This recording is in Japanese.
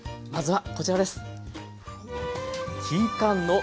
まずはこちらです。